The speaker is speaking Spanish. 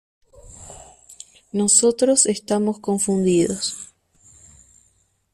Nosotros estamos confundidos.